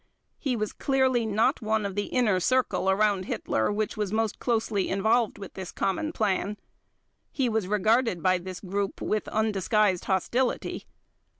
He was clearly not one of the inner circle around Hitler which was most closely involved with this common plan. He was regarded by this group with undisguised hostility.